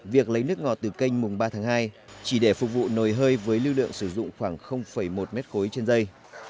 việc lấy nước ngọt từ canh ba tháng hai chỉ để phục vụ nồi hơi với lưu lượng sử dụng khoảng một m ba trên dây